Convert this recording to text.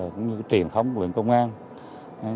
cũng như cái truyền thống của lực lượng công an